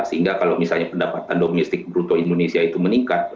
sehingga kalau misalnya pendapatan domestik bruto indonesia itu meningkat